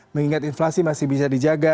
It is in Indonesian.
mengingat inflasi masih bisa dijaga